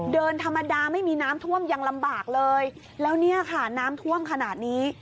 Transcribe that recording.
เดินธรรมดาไม่มีน้ำท่วมยังลำบากเลยแล้วเนี่ยค่ะน้ำท่วมขนาดนี้